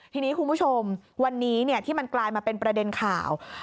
ทีนี้คุณผู้ชมวันนี้ที่มันกลายมาเป็นประเด็นข่าว